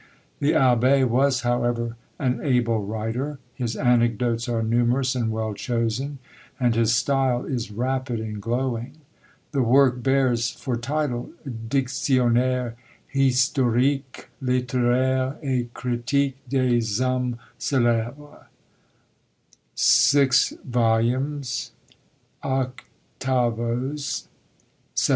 The Abbé was, however, an able writer; his anecdotes are numerous and well chosen; and his style is rapid and glowing. The work bears for title, "Dictionnaire Historique, Littéraire, et Critique, des Hommes Célèbres," 6 vols. 8vo. 1719.